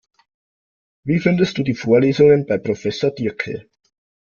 Wie findest du die Vorlesungen bei Professor Diercke?